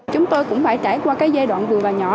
chúng tôi cũng phải trải qua cái giai đoạn vừa và nhỏ